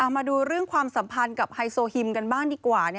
มาดูเรื่องความสัมพันธ์กับไฮโซฮิมกันบ้างดีกว่า